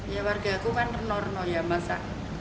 ya warga aku kan renor renor ya masa